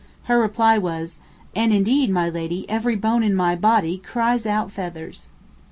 Her reply was, "And indeed, my lady, every bone in my body cries out _feathers!